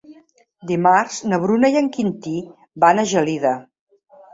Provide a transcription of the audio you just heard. Dimarts na Bruna i en Quintí van a Gelida.